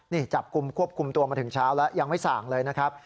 นี่จับกลุ่มควบคุมตัวมาถึงเช้าแล้วยังไม่สั่งเลยนะครับ